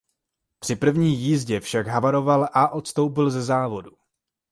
Při první jízdě však havaroval a odstoupil ze závodu.